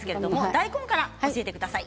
大根から教えてください。